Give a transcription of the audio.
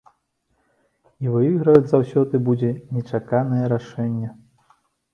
І выігрываць заўсёды будзе нечаканае рашэнне.